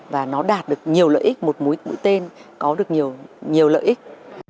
và nó đạt được nhiều lợi ích một mối tên có được nhiều lợi ích